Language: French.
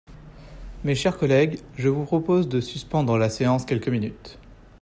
Mes chers collègues, je vous propose de suspendre la séance quelques minutes.